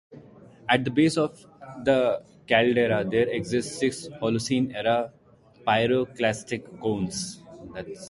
At the base of the caldera, there exist six Holocene era pyroclastic cones.